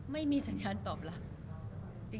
ไม่มีสัญญาณตอบรับ